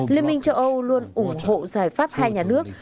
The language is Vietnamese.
liên minh châu âu luôn ủng hộ giải pháp hai nhà nước